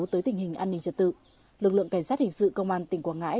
tới tình hình an ninh trật tự lực lượng cảnh sát hình sự công an tỉnh quảng ngãi